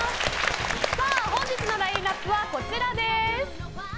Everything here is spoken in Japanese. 本日のラインアップはこちら。